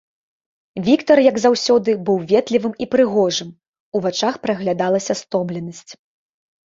Віктар, як заўсёды, быў ветлівым і прыгожым, у вачах праглядалася стомленасць.